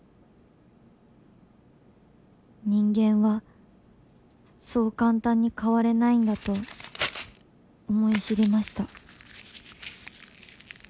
「人間はそう簡単に変われないんだと思い知りました」